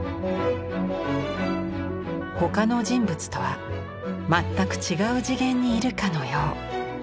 他の人物とは全く違う次元にいるかのよう。